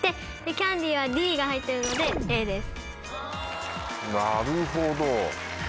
キャンディーは「Ｄ」が入ってるのでＡです。